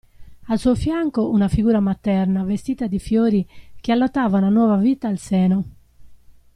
Al suo fianco una figura materna, vestita di fiori, che allattava una nuova vita al seno.